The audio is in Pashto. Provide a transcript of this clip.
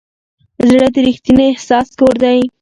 زړه د ریښتیني احساس کور دی.